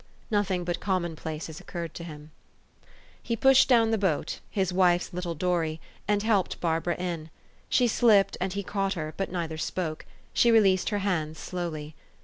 Nothing but common places occurred to him. He pushed clown the boat, his wife's little dory, and helped Barbara in. She slipped, and he caught her, but neither spoke : she released her hands slowly.